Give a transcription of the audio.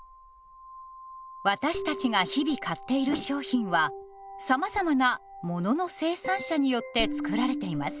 私たちが日々買っている商品はさまざまなものの生産者によって作られています。